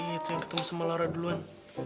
itu yang ketemu sama laura duluan